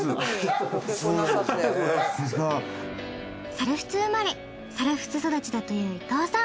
猿払生まれ猿払育ちだという伊藤さん。